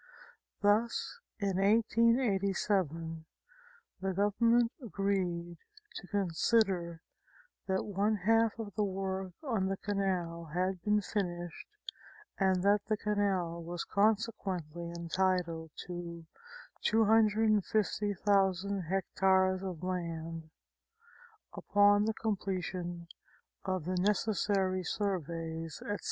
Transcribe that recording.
Thus in 1887, the Government agreed to consider that one half of the work on the canal had been finished and that the canal was consequently entitled to 250,000 hectares of land, upon the completion of the necessary surveys, etc.